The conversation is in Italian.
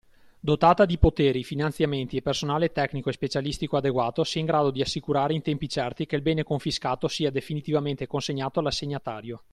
Dotata di poteri, finanziamenti e personale tecnico e specialistico adeguato sia in grado di assicurare in tempi certi che il bene confiscato sia definitivamente consegnato all’assegnatario.